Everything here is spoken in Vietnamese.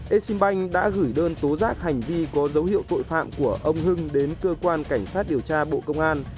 exim bank đã gửi đơn tố giác hành vi có dấu hiệu tội phạm của ông hưng đến cơ quan cảnh sát điều tra bộ công an